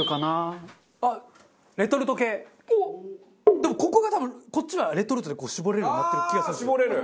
でもここが多分こっちはレトルトで絞れるようになってる気がするんですよ。